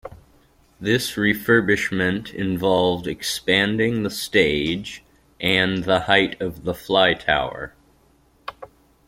This refurbishment involved expanding the stage and the height of the fly tower.